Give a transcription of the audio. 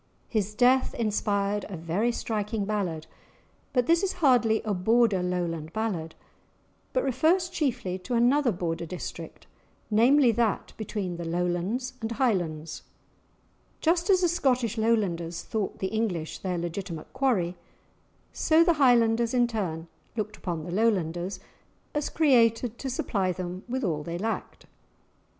His death inspired a very striking ballad, but this is hardly a Border Lowland ballad, but refers chiefly to another Border district, namely, that between the Lowlands and Highlands. Just as the Scottish Lowlanders thought the English their legitimate quarry, so the Highlanders in turn looked upon the Lowlanders as created to supply them with all they lacked.